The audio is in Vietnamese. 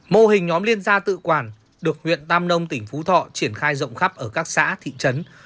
mô hình nhóm liên gia tự quản được huyện tam nông tỉnh phú thọ triển khai rộng khắp ở các xã thị trấn